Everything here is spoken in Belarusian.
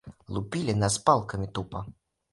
Лупілі нас палкамі тупа.